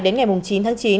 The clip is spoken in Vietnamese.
đến ngày chín tháng chín